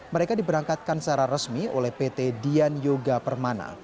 mereka diberangkatkan secara resmi oleh pt dian yoga permana